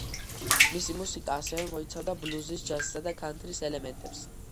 მისი მუსიკა, ასევე მოიცავდა ბლუზის, ჯაზისა და ქანთრის ელემენტებს.